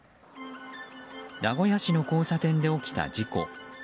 名古屋市の交差点で起きた事故。